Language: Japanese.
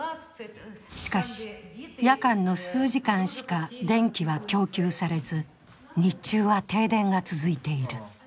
しかし、夜間の数時間しか電気は供給されず、日中は停電が続いている。